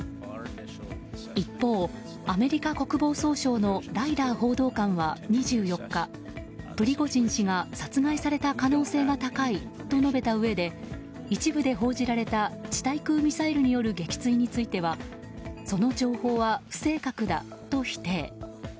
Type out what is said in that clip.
一方、アメリカ国防総省のライダー報道官は２４日、プリゴジン氏が殺害された可能性が高いと述べたうえで一部で報じられた地対空ミサイルによる撃墜についてはその情報は不正確だと否定。